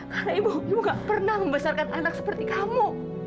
karena ibu ibu gak pernah membesarkan anak seperti kamu